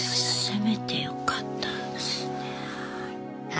せめてよかったですね。